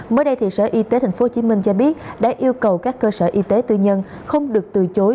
mới đây sở y tế tp hcm cho biết đã yêu cầu các cơ sở y tế tư nhân không được từ chối